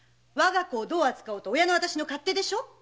わが子をどう扱おうと親のあたしの勝手でしょ